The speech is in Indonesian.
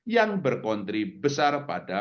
yang berkontribu besar pada